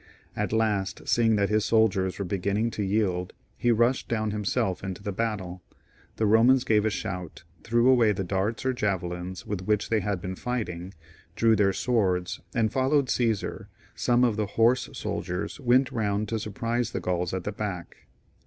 At last, seeing that his soldiers were beginning to yield, he rushed down himself into the battle. The Bomans gave a shout, threw away the darts or javelins with which they had been fighting, drew their swords, and followed Csesar ; some of the horse soldiers went round to surprise the Gauls at the back.